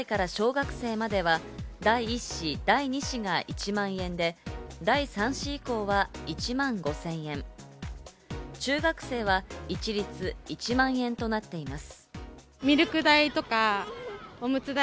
３歳から小学生までは第１子・第２子が１万円で、第３子以降は１万５０００円、中学生は一律１万円となっています。